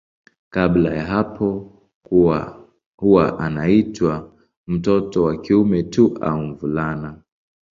Kabla ya hapo huwa anaitwa mtoto wa kiume tu au mvulana.